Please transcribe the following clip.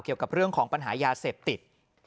เกี่ยวกับเรื่องของปัญหายาเสพติด